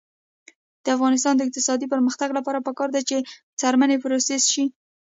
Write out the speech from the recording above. د افغانستان د اقتصادي پرمختګ لپاره پکار ده چې څرمنې پروسس شي.